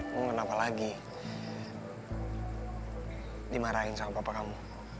mau kenapa lagi dimarahin sama papa kamu